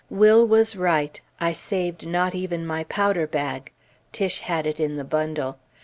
Will was right. I saved not even my powder bag. (Tiche had it in the bundle.)